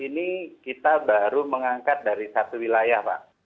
ini kita baru mengangkat dari satu wilayah pak